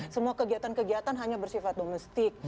semua kegiatan kegiatan hanya bersifat domestik